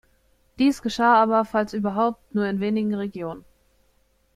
Dies geschah aber, falls überhaupt, nur in wenigen Regionen.